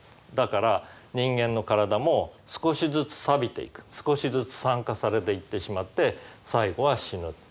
だから人間の体も少しずつさびていく少しずつ酸化されていってしまって最後は死ぬ。